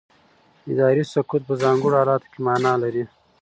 اداري سکوت په ځانګړو حالاتو کې معنا لري.